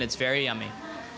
oh ini berapa harganya